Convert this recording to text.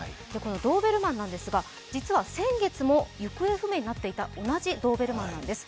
ドーベルマンなんですが実は先月も行方不明になっていた同じドーベルマンなんです。